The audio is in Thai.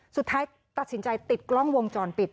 สุดท้ายตัดสินใจติดกล้องวงจรปิด